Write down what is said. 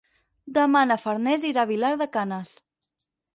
Demà na Farners anirà a Vilar de Canes.